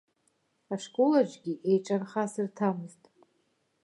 Ашколаҿгьы еиҿархасырҭамызт.